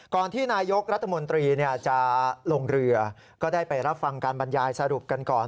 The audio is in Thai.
ที่นายกรัฐมนตรีจะลงเรือก็ได้ไปรับฟังการบรรยายสรุปกันก่อน